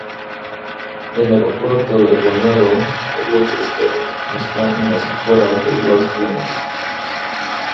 El aeropuerto del condado de Westchester está en las afueras de White Plains.